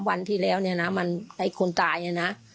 ๒๓วันที่แล้วเนี่ยนะมันคนตายอ่ะนะ